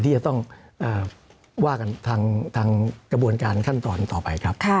ที่จะต้องว่ากันทางกระบวนการขั้นตอนต่อไปครับ